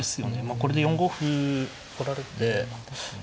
これで４五歩来られてうん。